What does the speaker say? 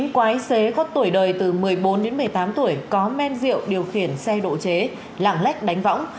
quái xế có tuổi đời từ một mươi bốn đến một mươi tám tuổi có men rượu điều khiển xe độ chế lạng lách đánh võng